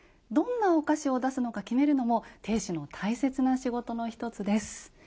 どんなお菓子を出すのか決めるのも亭主の大切な仕事の一つです。